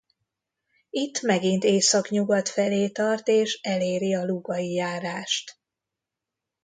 Itt megint északnyugat felé tart és eléri a Lugai járást.